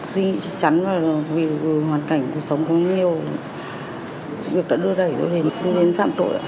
việc đã đưa đẩy tôi đến phạm tội